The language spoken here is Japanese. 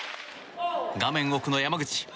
画面奥の山口。